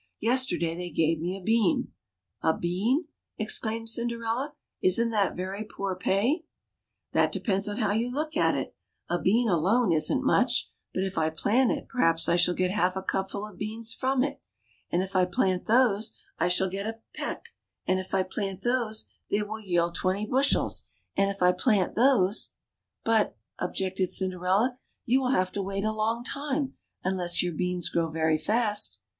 Yesterday they gave me a bean." " A bean !" exclaimed Cinderella. " Isn't that very poor pay ?''" That depends on how you look at it ; a bean alone isn't much ; but if I plant it perhaps I shall get half a cupful of beans from it ; and if I plant those, I shall get a peck ; and if I plant those, they Avill yield twenty bush els ; and if I plant those "—" But," objected Cinderella, " you will have to wait a long time, unless your beans grow very fast."